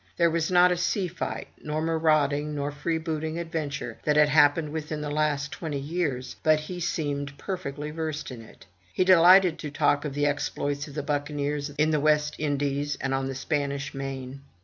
There was not a sea fight, nor marauding, nor freebooting adventure that had happened within the last twenty years, but he seemed perfectly versed in it. He delighted to talk of the exploits of the buccaneers in the West Indies, and on the Spanish Main.